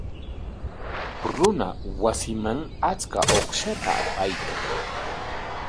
Runa wasinman achka uqshata apaykan.